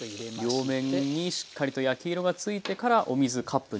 両面にしっかりと焼き色がついてからお水カップ1/2。